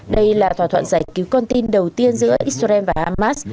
đây là thỏa thuận giải cứu con tin đầu tiên giữa israel và hamas